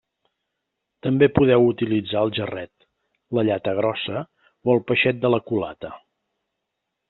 També podeu utilitzar el jarret, la llata grossa o el peixet de la culata.